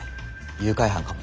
誘拐犯かも。